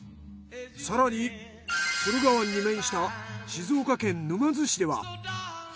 更に駿河湾に面した静岡県沼津市では。